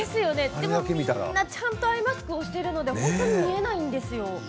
でも、みんなちゃんとアイマスクをしているので本当に見えないんですよ。